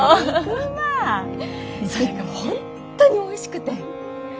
それがホントにおいしくて。